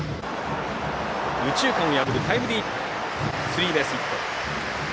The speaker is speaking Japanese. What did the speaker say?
右中間を破るタイムリースリーベースヒット。